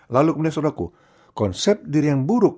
lalu kemudian seorang aku konsep diri yang buruk